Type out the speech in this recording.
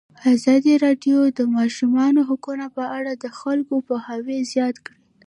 ازادي راډیو د د ماشومانو حقونه په اړه د خلکو پوهاوی زیات کړی.